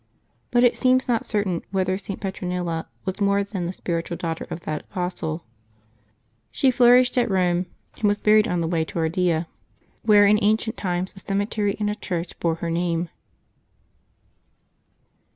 But it seems not certain whether St. Petronilla was more than the spiritual daughter of that apostle. She flourished at Eome, and was buried on the way to Ardea, 200 LIVES OF THE SAINTS [Juxne i where in ancient times a cemetery and a church bore her name.